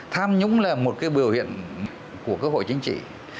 tham nhũng là một biểu hiện của cơ hội chính trị